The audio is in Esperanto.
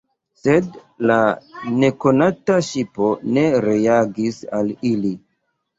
Sed la nekonata ŝipo ne reagis al ili.